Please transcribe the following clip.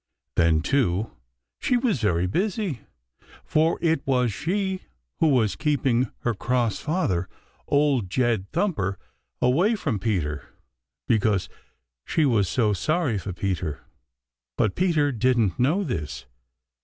Then, too, she was very busy, for it was she who was keeping her cross father, Old Jed Thumper, away from Peter, because she was so sorry for Peter. But Peter didn't know this.